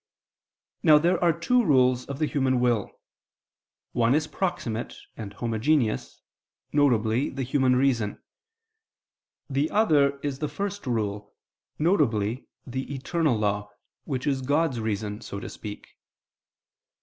Now there are two rules of the human will: one is proximate and homogeneous, viz. the human reason; the other is the first rule, viz. the eternal law, which is God's reason, so to speak.